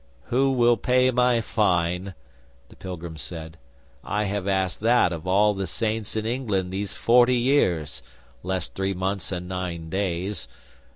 '"Who will pay my fine?" the pilgrim said. "I have asked that of all the Saints in England these forty years, less three months and nine days!